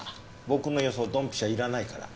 「僕の予想ドンピシャ」いらないから。